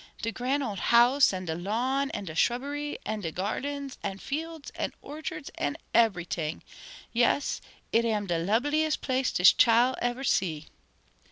de grand ole house, an' de lawn, an' de shrubbery, an' de gardens, an' fields, an' orchards, an' eberyting: yes, it am de lubliest place dis chile eber see."